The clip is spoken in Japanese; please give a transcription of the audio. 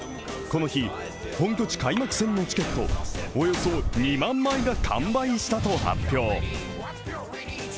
この日、本拠地開幕戦のチケットおよそ２万枚が完売したと発表。